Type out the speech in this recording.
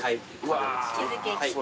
チーズケーキはい。